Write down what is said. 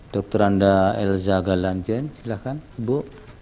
dr anda elza galanjen silahkan bu